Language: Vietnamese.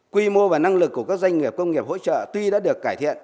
quy mô và năng lực của các doanh nghiệp công nghiệp hỗ trợ tuy đã được cải thiện